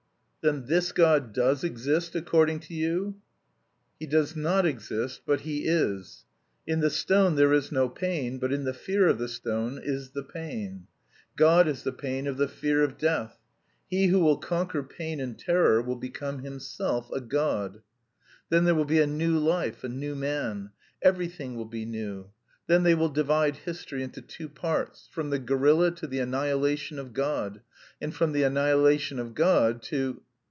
"Then this God does exist according to you?" "He does not exist, but He is. In the stone there is no pain, but in the fear of the stone is the pain. God is the pain of the fear of death. He who will conquer pain and terror will become himself a god. Then there will be a new life, a new man; everything will be new... then they will divide history into two parts: from the gorilla to the annihilation of God, and from the annihilation of God to..."